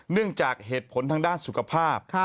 เนื่องจากเหตุผลทางด้านสุขภาพ